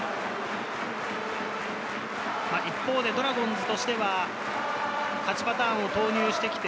一方でドラゴンズとしては、勝ちパターンを投入してきて、